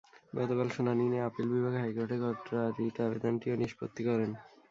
গতকাল শুনানি নিয়ে আপিল বিভাগ হাইকোর্টে করা রিট আবেদনটিও নিষ্পত্তি করেন।